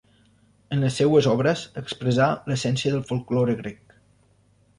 En les seues obres expressà l’essència del folklore grec.